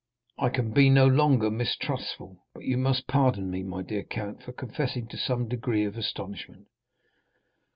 I can be no longer mistrustful, but you must pardon me, my dear count, for confessing to some degree of astonishment."